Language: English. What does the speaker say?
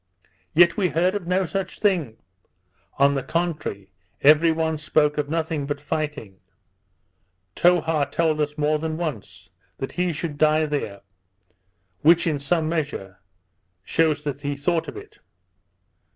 Yet we heard of no such thing; on the contrary, every one spoke of nothing but fighting. Towha told us more than once, that he should die there; which, in some measure, shews that he thought of it.